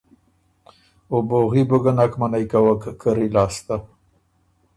او بوغي بو ګۀ نک منعئ کوَک کری لاسته۔